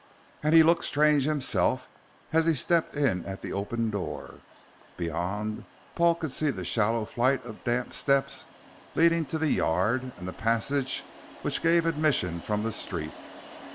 And he looked strange himself as he stepped in at the open door. Beyond, Paul could see the shallow flight of damp steps leading to the yard and the passage which gave admission from the street.